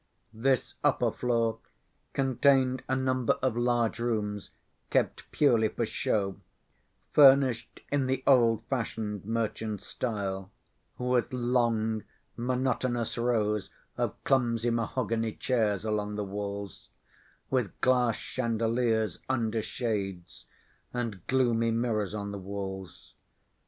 This upper floor contained a number of large rooms kept purely for show, furnished in the old‐fashioned merchant style, with long monotonous rows of clumsy mahogany chairs along the walls, with glass chandeliers under shades, and gloomy mirrors on the walls.